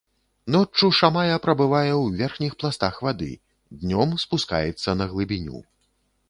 Ноччу шамая прабывае ў верхніх пластах вады, днём спускаецца на глыбіню.